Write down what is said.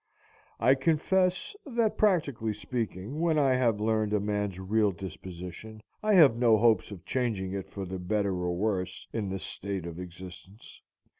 I confess, that practically speaking, when I have learned a man's real disposition, I have no hopes of changing it for the better or worse in this state of existence.